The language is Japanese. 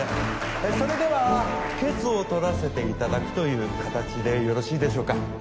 それでは決をとらせていただくという形でよろしいでしょうか？